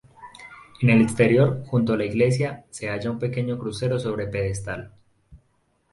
En el exterior, junto a la iglesia, se haya un pequeño crucero sobre pedestal.